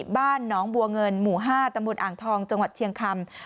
บ้านหนองบัวเงินหมู่๕ตำบลอ่างทองจังหวัดเชียงคำ